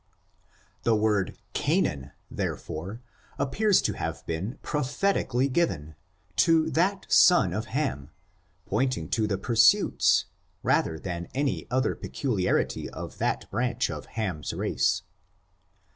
The word Canaan, therefore, appears to have been prophetically given, to that son of Ham, pointing to the pursuits, rather than any other peculiarity of that branch of Ham's race.